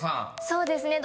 そうですね。